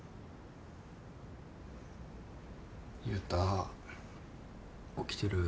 悠太起きてる？